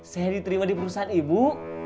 saya diterima di perusahaan ibu